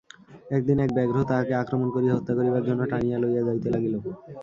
একদিন এক ব্যাঘ্র তাঁহাকে আক্রমণ করিয়া হত্যা করিবার জন্য টানিয়া লইয়া যাইতে লাগিল।